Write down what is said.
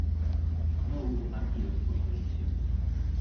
No hubo partidos por televisión.